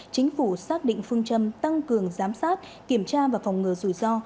chính phủ xác định phương châm tăng cường giám sát kiểm tra và phòng ngừa rủi ro